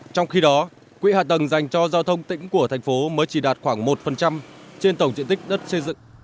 trong khi đó quỹ hạ tầng dành cho giao thông tỉnh của thành phố mới chỉ đạt khoảng một trên tổng diện tích đất xây dựng